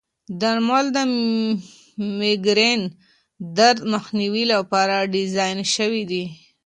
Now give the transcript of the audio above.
درمل د مېګرین درد مخنیوي لپاره ډیزاین شوي دي.